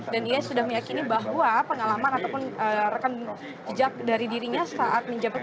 dan ia sudah meyakini bahwa pengalaman atau penyelamatannya tidak akan menyerang